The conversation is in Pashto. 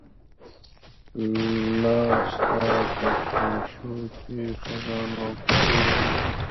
لاستا په پرښوکې خزان ګورم